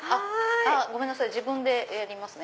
ごめんなさい自分でやりますね。